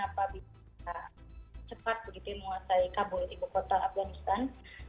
kenapa bisa cepat begitu memuasai kabur di kota afganistan